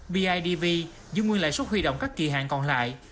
bidv giữ nguyên lãi suất huy động các kỳ hạn còn lại